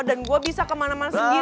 dan gue bisa kemana mana sendiri